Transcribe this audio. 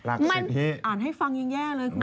ไม่อ่านให้ฟังยังแย่เลยคุณ